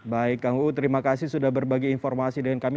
baik kang uu terima kasih sudah berbagi informasi dengan kami